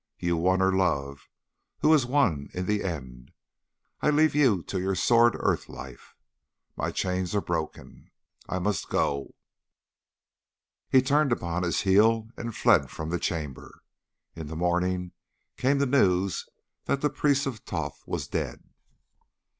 'You won her love. Who has won in the end? I leave you to your sordid earth life. My chains are broken. I must go!' He turned upon his heel and fled from the chamber. In the morning came the news that the Priest of Thoth was dead.